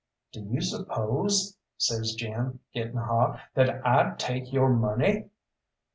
"Do you suppose," says Jim, getting hot, "that I'd take your money?"